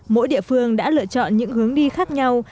mỗi địa phương đã lựa chọn những hướng đi khác nhau